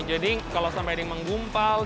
jadi kalau sampai di menggumung